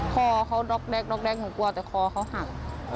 คอเขาด๊อกแก๊อกแก๊กหนูกลัวแต่คอเขาหัก